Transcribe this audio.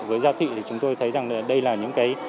với giao thị thì chúng tôi thấy rằng đây là những cái